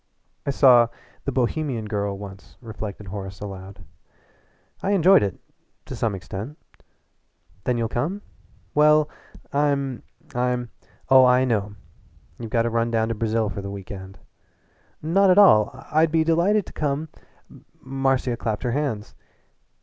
"I saw 'The Bohemian Girl' once," reflected Horace aloud. "I enjoyed it to some extent " "Then you'll come?" "Well, I'm I'm " "Oh, I know you've got to run down to Brazil for the week end." "Not at all. I'd be delighted to come " Marcia clapped her hands.